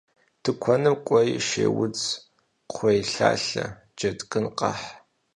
Тыкуэным кӏуэи шейудз, кхъуейлъалъэ, джэдгын къэхь.